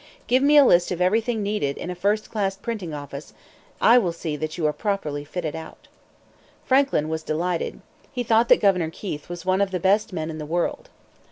"Give me a list of everything needed in a first class printing office. I will see that you are properly fitted out." Franklin was delighted. He thought that Governor Keith was one of the best men in the world.